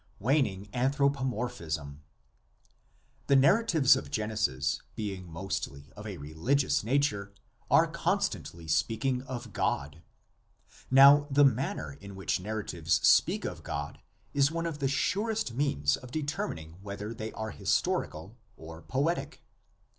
WANING ANTHROPOMORPHISM. The narratives of Genesis being mostly of a reli gious nature are constantly speaking of God. Now the manner in which narratives speak of God is one of the surest means of determining whether they are historical or poetic.